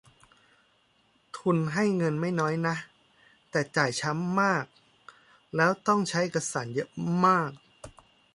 ทุนให้เงินไม่น้อยนะ แต่จ่ายช้ามาก แล้วก็ต้องใช้เอกสารเยอะมาก